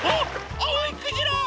あおいクジラ！